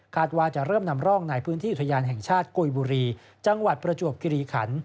ว่าจะเริ่มนำร่องในพื้นที่อุทยานแห่งชาติกุยบุรีจังหวัดประจวบกิริขัน